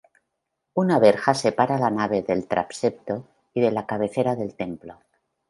Una verja separa la nave del transepto y de la cabecera del templo.